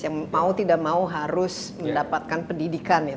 yang mau tidak mau harus mendapatkan pendidikan ya